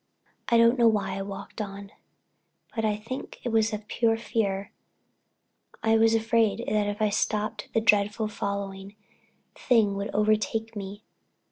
I don't know why I walked on, but I think it was pure fear. I was afraid if I stopped that dreadful following thing would overtake me.